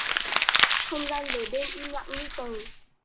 Không gian về đêm im lặng như tờ